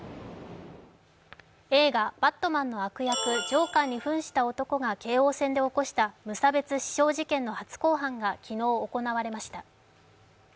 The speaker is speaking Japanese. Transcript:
映画「バットマン」の悪役、ジョーカーに扮した男が京王線で起こした無差別刺傷事件の初公判が昨日行われました。